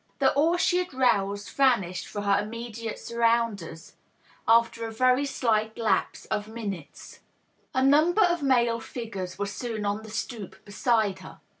The awe she had roused vanished for her immediate surrounders after DOUGLAS DUANE, 633 a very slight lapse of minutes. A number of male figures were soon on the stoop beside her.